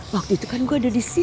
waktu itu kan gue ada disini